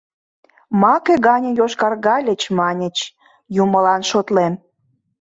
Маке гане йошкаргальыч, маньыч: «Юмылан шотлем!»